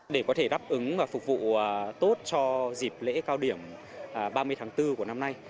để có thể đáp ứng và phục vụ tốt cho dịp lễ cao điểm ba mươi tháng bốn của năm nay